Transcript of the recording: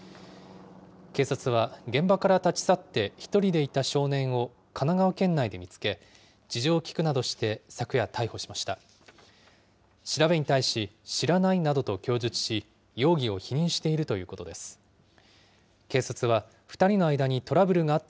警察は、現場から立ち去って１人でいた少年を、神奈川県内で見つけ、事情を聴くなどして昨夜、逮捕しました。